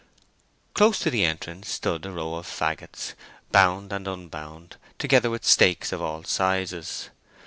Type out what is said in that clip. Close to the entrance stood a row of faggots, bound and unbound, together with stakes of all sizes.